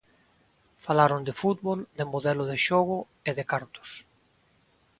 Falaron de fútbol, de modelo de xogo e de cartos.